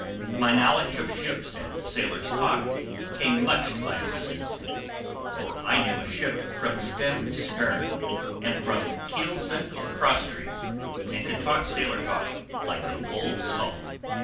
My knowledge of ships and sailor's talk came much to my assistance, for I knew a ship from stem to stern, and from keelson to cross trees, and could talk sailor like an "old salt."